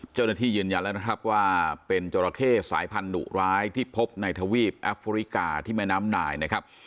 ยืนยันแล้วนะครับว่าเป็นจราเข้สายพันธุร้ายที่พบในทวีปแอฟริกาที่แม่น้ำนายนะครับ